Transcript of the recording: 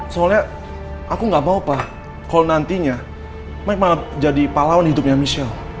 soalnya aku nggak mau pak kalo nantinya mike malah jadi palawan hidupnya michelle